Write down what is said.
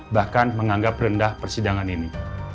bahkan menganggap rendah persidangan ini